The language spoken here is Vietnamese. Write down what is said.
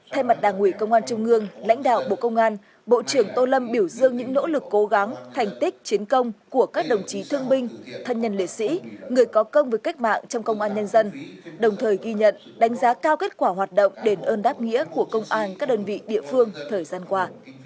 thay mặt đảng ủy công an trung ương lãnh đạo bộ công an bộ trưởng tô lâm biểu dương những nỗ lực cố gắng thành tích chiến công của các đồng chí thương binh thân nhân liệt sĩ người có công với cách mạng trong công an nhân dân đồng thời ghi nhận đánh giá cao kết quả hoạt động đền ơn đáp nghĩa của công an các đơn vị địa phương thời gian qua